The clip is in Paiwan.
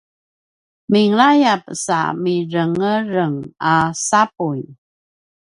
minlayap sa mirengereng a sapuy